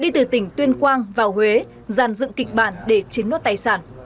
tỉnh tuyên quang vào huế dàn dựng kịch bản để chiếm nốt tài sản